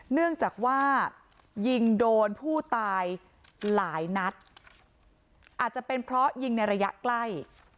เนื่องจากว่ายิงโดนผู้ตายหลายนัดอาจจะเป็นเพราะยิงในระยะใกล้